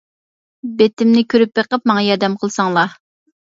بېتىمنى كۆرۈپ بېقىپ ماڭا ياردەم قىلساڭلار.